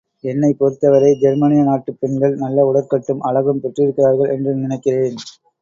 என்னைப் பொறுத்தவரை ஜெர்மனிய நாட்டுப் பெண்கள் நல்ல உடற்கட்டும் அழகும் பெற்றிருக்கிறார்கள் என்று நினைக்கிறேன்.